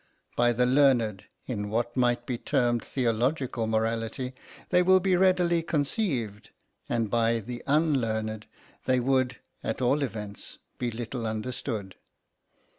By the learned in what might be termed theological morality they will be readily conceived, and by the unlearned they would, at all events, be little understood.